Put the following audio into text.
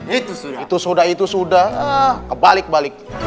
itu sudah itu sudah itu sudah kebalik balik